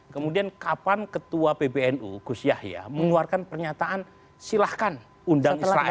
kemudian kapan ketua pbnu gus yahya mengeluarkan pernyataan silahkan undang israel